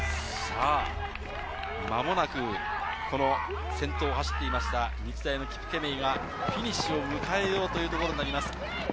間もなく先頭、走っていました日大のキップケメイがフィニッシュを迎えようというところになります。